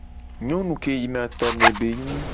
Nyonu ke yina tome be nyi.